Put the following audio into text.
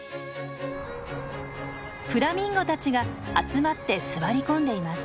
フラミンゴたちが集まって座り込んでいます。